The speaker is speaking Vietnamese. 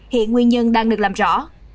hiện nguyên nhân đang được làm rõ